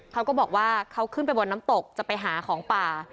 เขาก็บอกว่าเขาขึ้นไปบนน้ำตกจะไปหาของป่า